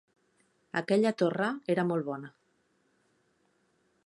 Aquella torra era molt bona